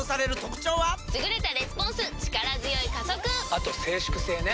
あと静粛性ね。